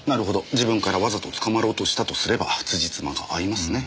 自分からわざと捕まろうとしたとすればつじつまが合いますね。